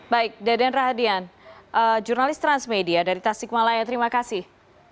baik deden rahadian jurnalis transmedia dari tasikmalaya terima kasih